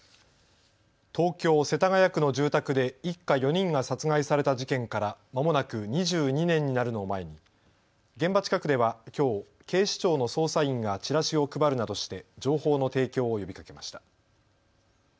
東京世田谷区の住宅で一家４人が殺害された事件からまもなく２２年になるのを前に現場近くではきょう警視庁の捜査員がチラシを配るなどして情報の提供を呼びかけました。